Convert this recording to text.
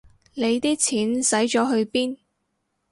你啲錢使咗去邊